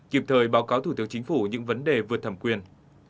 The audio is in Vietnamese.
kịp thời báo cáo thủ tướng chính phủ những vấn đề vượt thẩm quyền